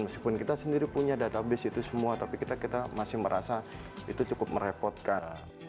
meskipun kita sendiri punya database itu semua tapi kita masih merasa itu cukup merepotkan